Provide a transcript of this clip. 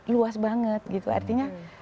luas banget gitu artinya